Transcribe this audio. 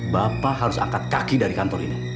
bapak harus angkat kaki dari kantor ini